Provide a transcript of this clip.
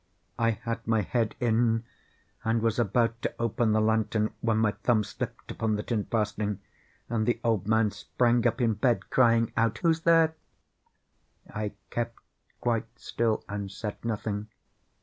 I had my head in, and was about to open the lantern, when my thumb slipped upon the tin fastening, and the old man sprang up in bed, crying out—"Who's there?" I kept quite still and said nothing.